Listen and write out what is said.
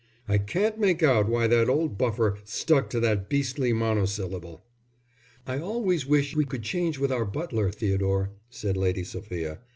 I can't make out why the old buffer stuck to that beastly monosyllable." "I always wish we could change with our butler, Theodore," said Lady Sophia.